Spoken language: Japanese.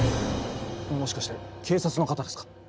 もしかして警察の方ですか？